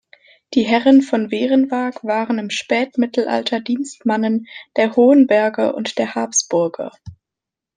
Die Herren von Werenwag waren im Spätmittelalter Dienstmannen der Hohenberger und der Habsburger.